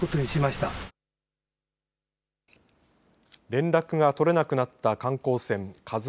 連絡が取れなくなった観光船